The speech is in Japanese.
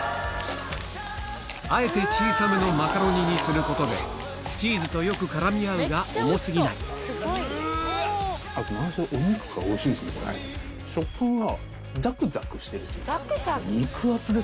あえて小さめのマカロニにすることでチーズとよく絡み合うが重過ぎない食感が。